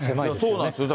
そうなんですよ。